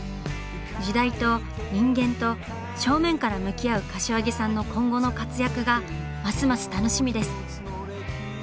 時代と人間と正面から向き合う柏木さんの今後の活躍がますます楽しみです！